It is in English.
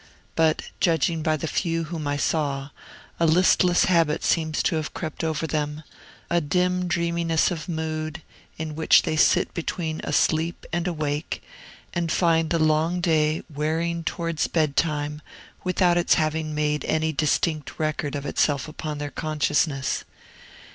But, judging by the few whom I saw, a listless habit seems to have crept over them, a dim dreaminess of mood, in which they sit between asleep and awake, and find the long day wearing towards bedtime without its having made any distinct record of itself upon their consciousness.